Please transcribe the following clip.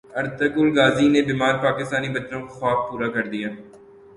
Ertugrul Ghazi نے بیمار پاکستانی بچوں کا خواب پورا کردیا